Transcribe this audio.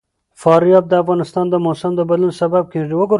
فاریاب د افغانستان د موسم د بدلون سبب کېږي.